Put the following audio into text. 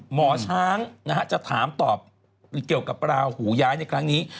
หมอช้างจะถามตอบเกี่ยวกับราหูย้ายในครั้งนี้